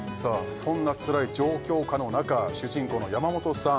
そんなつらい状況下の中主人公の山本さん